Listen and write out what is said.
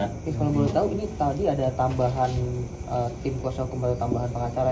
kalau belum tahu ini tadi ada tambahan tim kuasa kembali tambahan pengacara